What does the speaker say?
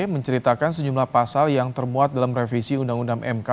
menceritakan sejumlah pasal yang termuat dalam revisi undang undang mk